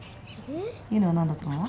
ユノは何だと思う？